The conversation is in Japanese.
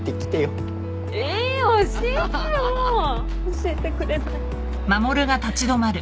教えてくれない。